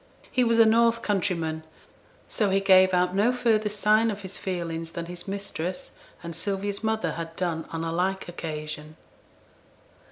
He was a north countryman, so he gave out no further sign of his feelings than his mistress and Sylvia's mother had done on a like occasion.